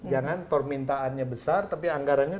jangan permintaannya besar tapi anggarannya